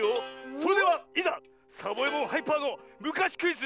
それではいざサボえもんハイパーのむかしクイズ